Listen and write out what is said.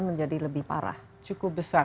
menjadi lebih parah cukup besar